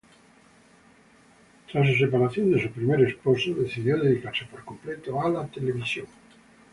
Tras su separación de su primer esposo, decidió dedicarse por completo a la televisión.